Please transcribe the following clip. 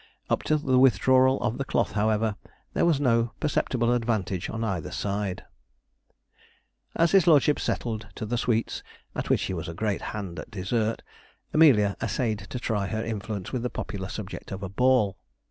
Up to the withdrawal of the cloth, however, there was no perceptible advantage on either side. As his lordship settled to the sweets, at which he was a great hand at dessert, Amelia essayed to try her influence with the popular subject of a ball.